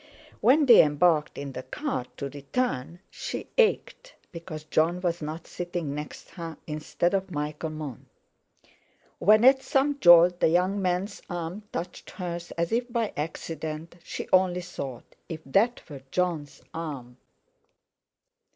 When they embarked in the car to return, she ached because Jon was not sitting next her instead of Michael Mont. When, at some jolt, the young man's arm touched hers as if by accident, she only thought: 'If that were Jon's arm!'